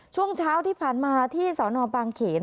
ช่วงเช้าที่ผ่านมาที่สนบางเขน